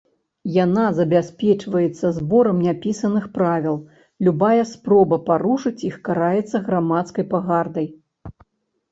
Яна забяспечваецца зборам няпісаных правіл, любая спроба парушыць іх караецца грамадскай пагардай.